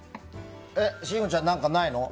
信五ちゃん、何かないの？